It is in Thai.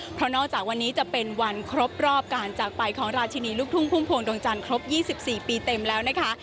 เพราะนอกจากวันนี้จะเป็นวันครบรอบการจากไปของราชินีลูกทุ่งพุ่มพวงดวงจันทร์ครบ๒๔ปีเต็มแล้วนะคะ